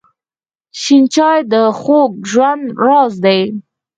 شین چای د خوږ ژوند راز دی.